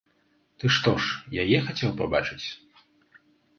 Ты што ж, яе хацеў пабачыць?